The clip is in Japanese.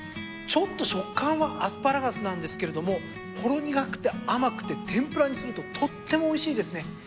ちょっと食感はアスパラガスなんですけれどもほろ苦くて甘くて天ぷらにするととってもおいしいですね。